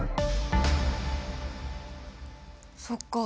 そっか。